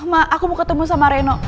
mak aku mau ketemu sama reno